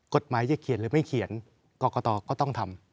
กฎหมายจะเขียนหรือไม่เขียนกรกตก็ต้องทำ